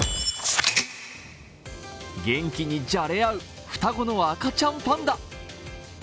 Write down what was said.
元気にじゃれ合う双子の赤ちゃんパンダ。